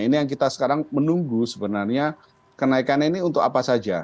ini yang kita sekarang menunggu sebenarnya kenaikannya ini untuk apa saja